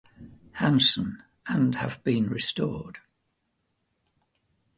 Hanson, and have been restored.